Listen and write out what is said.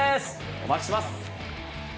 お待ちしてます。